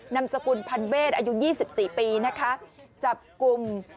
นำสกุลพันเบสอายุยี่สิบสี่ปีนะคะจับกลุ่ม